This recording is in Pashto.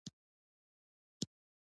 موږ هره ورځ د ورځپاڼې لوستل خوښوو.